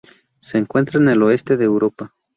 Se encuentra en el oeste de Europa.